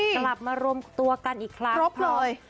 กลับมารวมตัวกันอีกครั้ง